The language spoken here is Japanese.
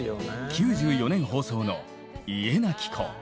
９４年放送の「家なき子」。